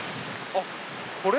あっこれ？